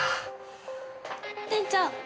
店長。